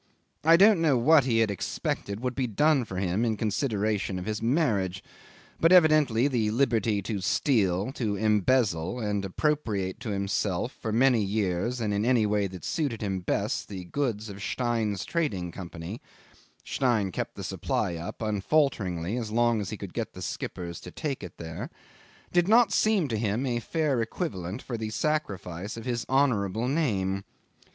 I don't know what he had expected would be done for him in consideration of his marriage; but evidently the liberty to steal, and embezzle, and appropriate to himself for many years and in any way that suited him best, the goods of Stein's Trading Company (Stein kept the supply up unfalteringly as long as he could get his skippers to take it there) did not seem to him a fair equivalent for the sacrifice of his honourable name.